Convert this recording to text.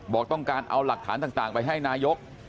บอกต้องการเอาหลักฐานต่างไปให้นายก